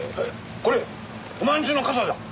これお前んちの傘じゃん。